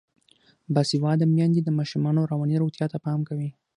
باسواده میندې د ماشومانو رواني روغتیا ته پام کوي.